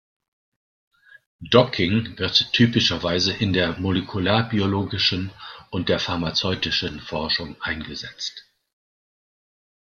Docking wird typischerweise in der molekularbiologischen und der pharmazeutischen Forschung eingesetzt.